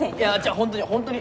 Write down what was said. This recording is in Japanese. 本当に本当に。